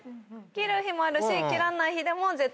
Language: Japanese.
切る日もあるし切らない日でも絶対。